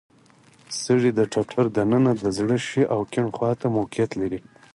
سږي د ټټر د ننه د زړه ښي او کیڼ خواته موقعیت لري.